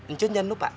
ncun jangan lupa ya